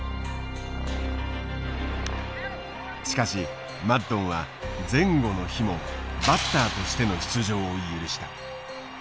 しかしマッドンは前後の日もバッターとしての出場を許した。